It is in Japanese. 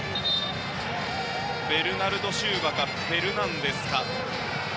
ベルナルド・シウバかフェルナンデスか。